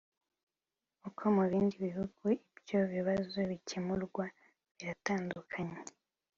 uko mu bindi bihugu ibyo bibazo bikemurwa biratandukanye.